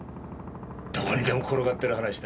どこにでも転がってる話だ。